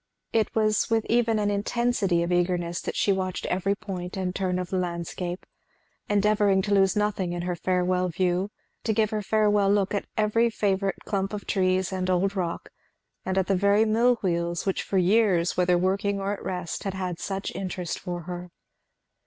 It was with even an intensity of eagerness that she watched every point and turn of the landscape, endeavouring to lose nothing in her farewell view, to give her farewell look at every favourite clump of trees and old rock, and at the very mill wheels, which for years whether working or at rest had had such interest for her.